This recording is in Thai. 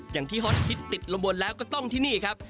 ฮอตฮิตติดลมบนแล้วก็ต้องที่นี่ครับ